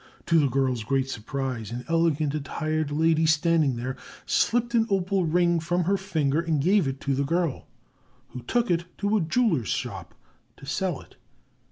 To the girl's great surprise, an elegantly attired lady standing there slipped an opal ring from her finger and gave it to the girl, who took it to a jeweller's shop to sell it.